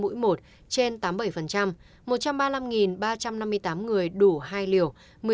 mũi một trên tám mươi bảy một trăm ba mươi năm ba trăm năm mươi tám người đủ hai liều một mươi sáu năm